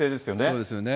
そうですよね。